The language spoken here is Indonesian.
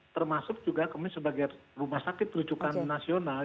termasuk juga kami sebagai rumah sakit rujukan nasional